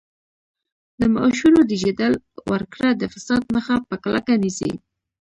د معاشونو ډیجیټل ورکړه د فساد مخه په کلکه نیسي.